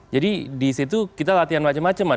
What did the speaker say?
jadi disitu kita latihan macam macam